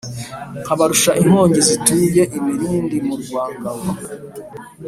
nkabarusha inkongi zituye imilindi mu rwa Ngabo.